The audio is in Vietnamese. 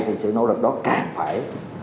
thì sự nỗ lực đó càng phải